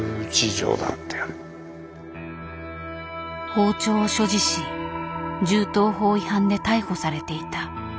包丁を所持し銃刀法違反で逮捕されていた。